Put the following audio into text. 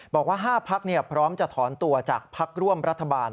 บอกว่า๕พักพร้อมจะถอนตัวจากพักร่วมรัฐบาล